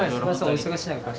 お忙しい中。